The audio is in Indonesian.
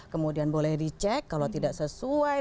kemudian boleh dicek kalau tidak sesuai